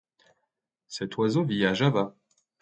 Cet oiseau vit à Java.